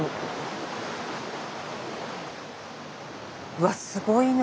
うわすごいね！